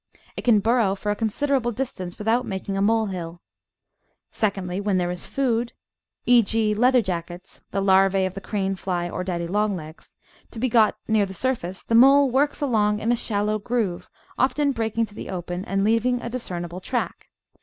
It can burrow for a considerable distance without making a mole hill. Secondly, when there is food, e.g. leather jackets (the larvae of the crane fly or daddy long legs), to be got near the surface, the mole works along in a shallow groove, often breaking to the open, and leaving a discernible track.